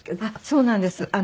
そうなんです。